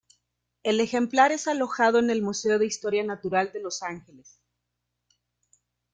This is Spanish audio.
El ejemplar es alojado en el Museo de Historia Natural de Los Ángeles.